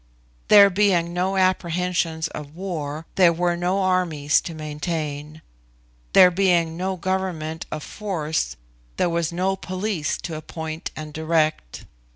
There being no apprehensions of war, there were no armies to maintain; there being no government of force, there was no police to appoint and direct.